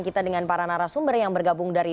kita dengan para narasumber yang bergabung dari